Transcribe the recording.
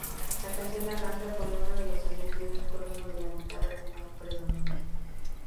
La canción arranca con unos sonidos muy oscuros, donde la guitarra de Mai predomina.